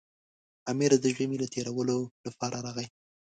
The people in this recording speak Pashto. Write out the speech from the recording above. امیر د ژمي له تېرولو لپاره راغی.